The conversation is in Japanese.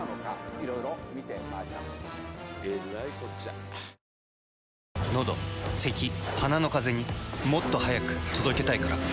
早い準備が。のどせき鼻のカゼにもっと速く届けたいから。